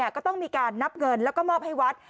ก็ต้องมีการนับเงินแล้วก็มอบให้วัด